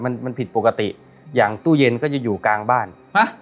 มันมันผิดปกติอย่างตู้เย็นก็จะอยู่กลางบ้านฮะ